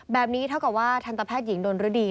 แบบนี้เท่ากับว่าทันตะแพทย์หญิงโดนรดี